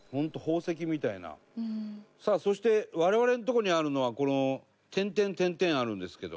さあそして我々のとこにあるのはこの点々点々あるんですけど。